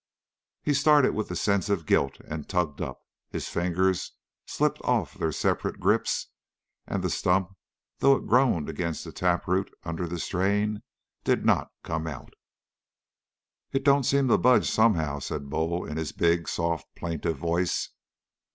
He started with a sense of guilt and tugged up. His fingers slipped off their separate grips, and the stump, though it groaned against the taproot under the strain, did not come out. "It don't seem to budge, somehow," said Bull in his big, soft, plaintive voice.